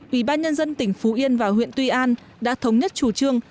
ủy ban nhân dân tỉnh phú yên và huyện tuy an đã thống nhất chủ trương